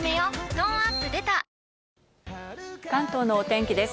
トーンアップ出た関東のお天気です。